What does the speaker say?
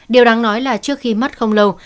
điều đáng nói là trước khi mất không lâu